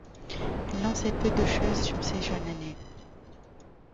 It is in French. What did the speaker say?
L’on sait peu de choses sur ses jeunes années.